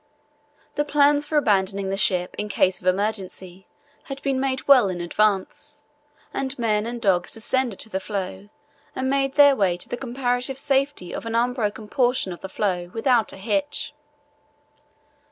The plans for abandoning the ship in case of emergency had been made well in advance, and men and dogs descended to the floe and made their way to the comparative safety of an unbroken portion of the floe without a hitch.